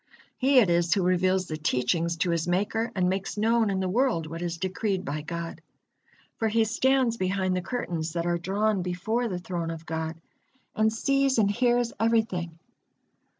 He it is who reveals the teachings to his Maker, and makes known in the world what is decreed by God. For he stands behind the curtains that are drawn before the Throne of God, and sees and hears everything.